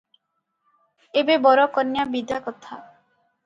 ଏବେ ବର କନ୍ୟା ବିଦା କଥା!